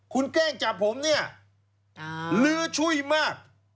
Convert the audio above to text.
คุณแกล้งจับผมเนี่ยลื้อช่วยมาก